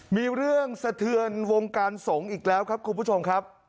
มีเรื่องสะเทือนวงการสงฆ์อีกแล้วครับคุณผู้ชมครับ